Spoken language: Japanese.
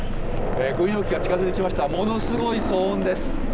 軍用機が近づいてきました、ものすごい騒音です。